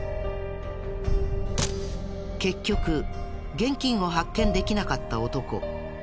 結局現金を発見できなかった男。